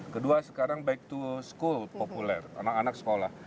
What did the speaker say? kedua sekarang back to school populer anak anak sekolah